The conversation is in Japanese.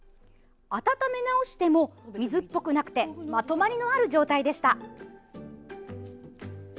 温め直しても水っぽくなくてまとまりのある状態でした。